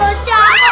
ya allah jangan